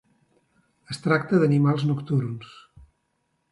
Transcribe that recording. Es tracta d'animals nocturns.